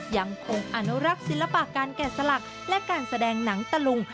ยังคงอนุรักษ์ศิลปะการแก่สลักและการแสดงหนังตะลุง